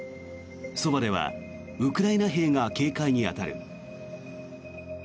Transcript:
そばではウクライナ兵が警戒に当たる。